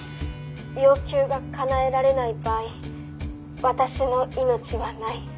「要求がかなえられない場合私の命はない」